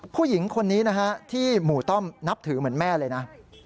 ผู้หญิงคนนี้นะฮะที่หมู่ต้อมนับถือเหมือนแม่เลยนะ